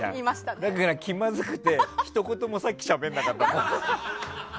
だから、気まずくてひと言もさっきしゃべらなかったの。